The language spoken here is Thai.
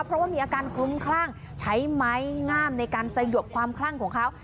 เพราะว่ามีอาการคลุ้มคลั่งใช้ไม้งามในการสยบความคลั่งของเขา